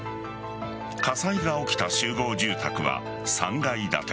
火災が起きた集合住宅は３階建て。